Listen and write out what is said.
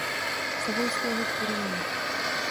Savojského v Turíně.